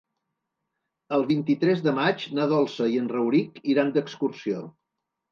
El vint-i-tres de maig na Dolça i en Rauric iran d'excursió.